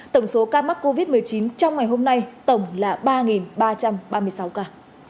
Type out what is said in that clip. tổng số ca mắc covid một mươi chín trong ngày hôm nay tổng là ba ba trăm ba mươi sáu ca